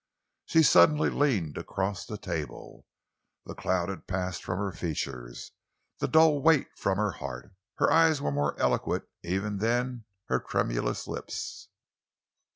She suddenly leaned across the table. The cloud had passed from her features, the dull weight from her heart. Her eyes were more eloquent even than her tremulous lips.